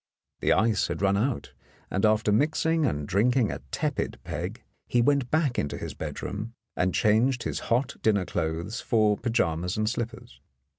The ice had run out, and after mixing and drinking a tepid peg, he went back to his bedroom and changed his hot dinner clothes for pyjamas and slippers.